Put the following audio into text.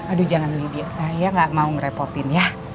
aduh jangan lidia saya gak mau ngerepotin ya